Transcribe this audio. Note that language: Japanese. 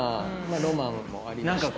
ロマンもありました。